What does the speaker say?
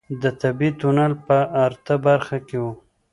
د طبيعي تونل په ارته برخه کې و.